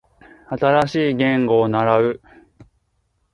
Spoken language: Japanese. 新しい言語を習う